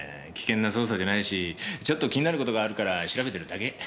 危険な捜査じゃないしちょっと気になる事があるから調べてるだけ。